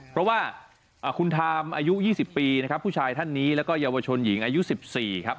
เพราะว่าคุณทามอายุ๒๐ปีนะครับผู้ชายท่านนี้แล้วก็เยาวชนหญิงอายุ๑๔ครับ